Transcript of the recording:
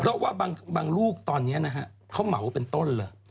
เพราะว่าบางลูกตอนนี้นะฮะเขาเหมาเป็นต้นเลย